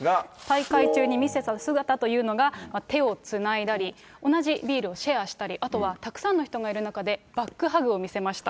大会中に見せた姿というのが、手をつないだり、同じビールをシェアしたり、あとはたくさんの人がいる中で、バックハグを見せました。